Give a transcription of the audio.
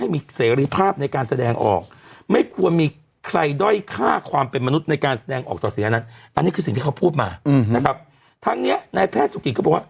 เมื่อก่อนเราไม่มีสื่อโซเชียลถูกต้องไหม